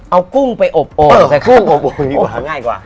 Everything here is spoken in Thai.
เอากุ้งไปอบโอ่งใช่ไหมครับเอากุ้งอบโอ่งดีกว่าง่ายกว่า